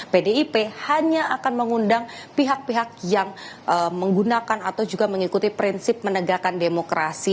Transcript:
pdip hanya akan mengundang pihak pihak yang menggunakan atau juga mengikuti prinsip menegakkan demokrasi